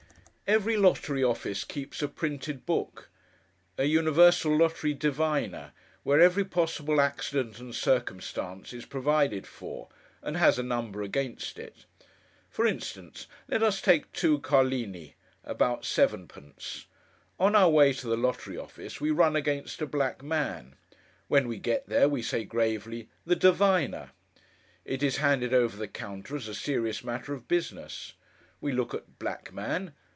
Every lottery office keeps a printed book, an Universal Lottery Diviner, where every possible accident and circumstance is provided for, and has a number against it. For instance, let us take two carlini—about sevenpence. On our way to the lottery office, we run against a black man. When we get there, we say gravely, 'The Diviner.' It is handed over the counter, as a serious matter of business. We look at black man.